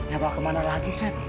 ya bawa kemana lagi saya